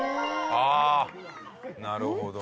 ああなるほど。